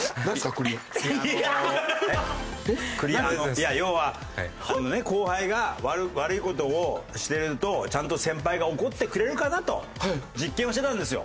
いや要はあのね後輩が悪い事をしてるとちゃんと先輩が怒ってくれるかなと実験をしてたんですよ。